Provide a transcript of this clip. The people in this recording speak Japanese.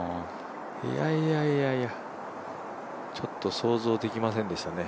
いやいやいやちょっと想像できませんでしたね。